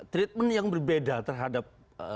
treatment yang berbeda terhadap